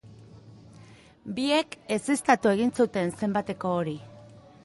Biek ezeztatu egin zuten zenbateko hori.